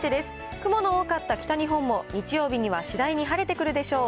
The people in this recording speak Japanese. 雲の多かった北日本も、日曜日には次第に晴れてくるでしょう。